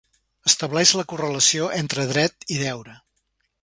Estableix la correlació entre dret i deure.